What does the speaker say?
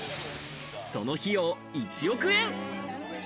その費用、１億円。